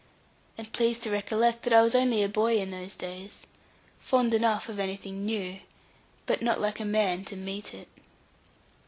And please to recollect that I was only a boy in those days, fond enough of anything new, but not like a man to meet it.